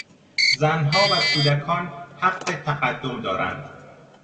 زنها و کودکان حق تقدم دارند.